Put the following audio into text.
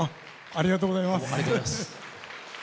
ありがとうございます。